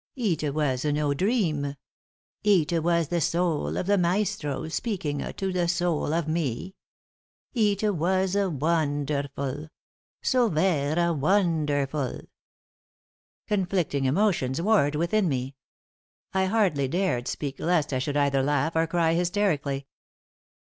Eet was no dream. Eet was the soul of the maestro speaking to the soul of me. Eet was wonderful so vera wonderful!" Conflicting emotions warred within me. I hardly dared speak lest I should either laugh or cry hysterically.